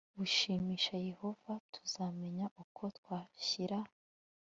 bushimisha Yehova Tuzamenya uko twashyira